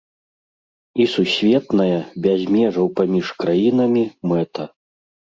І сусветная, без межаў паміж краінамі, мэта.